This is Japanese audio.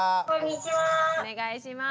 お願いします。